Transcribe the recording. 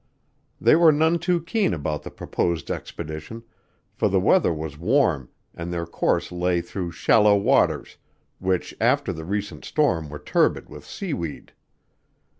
They were none too keen about the proposed expedition, for the weather was warm and their course lay through shallow waters which after the recent storm were turbid with seaweed.